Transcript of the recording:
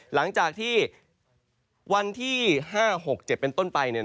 หลังจากที่วันที่๕๖๗เป็นต้นไป